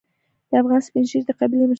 د افغان سپین ږیری د قبیلې مشعل دی.